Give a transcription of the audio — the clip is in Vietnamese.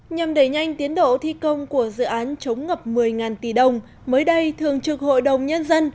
nhằm đẩy nhanh tiến độ thi công của dự án chống ngập một mươi tỷ đồng mới đây thường trực hội đồng nhân dân